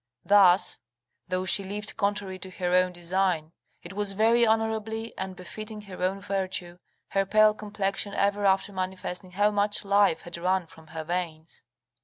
Thus, though she lived contrary to her own design, it was very honourably, and befitting her own virtue, her pale complexion ever after manifesting how much life had run from her veins.